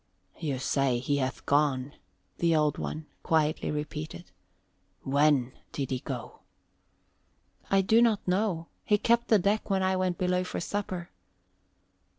"You say he hath gone," the Old One quietly repeated. "When did he go?" "I do not know. He kept the deck when I went below for supper."